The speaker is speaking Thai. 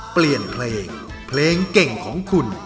เปลี่ยนเพลงเพลงเก่งของคุณ